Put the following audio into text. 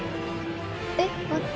えっ待って。